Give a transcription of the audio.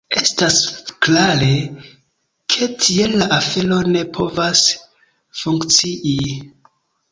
Estas klare, ke tiel la afero ne povas funkcii.